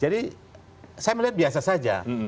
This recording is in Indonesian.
jadi saya melihat biasa saja